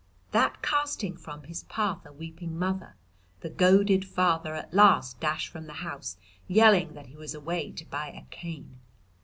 That casting from his path a weeping mother, the goaded father at last dashed from the house yelling that he was away to buy a cane.